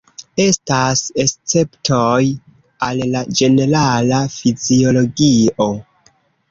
Estas esceptoj al la ĝenerala fiziologio.